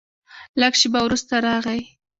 لږ شېبه وروسته راغی.